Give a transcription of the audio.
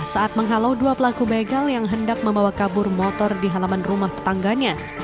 saat menghalau dua pelaku begal yang hendak membawa kabur motor di halaman rumah tetangganya